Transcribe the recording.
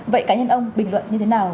vậy cá nhân ông bình luận như thế nào